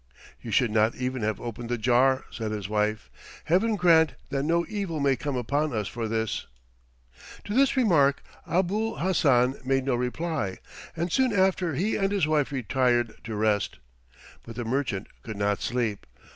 "You should not even have opened the jar," said his wife. "Heaven grant that no evil may come upon us for this." To this remark Abul Hassan made no reply, and soon after he and his wife retired to rest. But the merchant could not sleep.